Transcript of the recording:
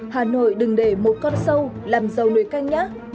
hà nội đừng để một con sâu làm dầu nồi canh nhác